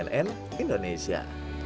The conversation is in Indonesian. tim liputan cnn indonesia